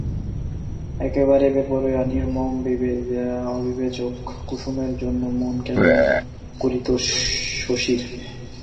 একেবারে বেপরোয়া, নির্মম, অবিবেচক কুসুমের জন্য মন কেমন করিত শশীর।